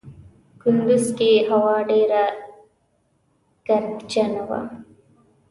کندوز کې هوا ډېره ګردجنه وه.